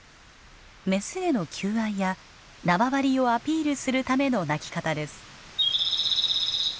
メスへの求愛や縄張りをアピールするための鳴き方です。